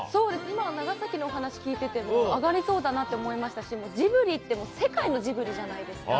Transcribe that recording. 今の長崎のお話聞いてても、上がりそうだなと思いましたし、ジブリって、世界のジブリじゃないですか。